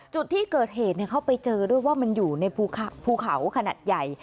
จุดที่เกิดเหตุเขาไปเจอด้วยว่ามันอยู่ในภูเขาขนาดใหญ่